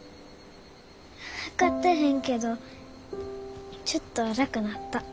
測ってへんけどちょっと楽なった。